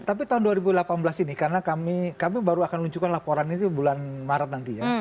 tapi tahun dua ribu delapan belas ini karena kami baru akan menunjukkan laporan itu bulan maret nanti ya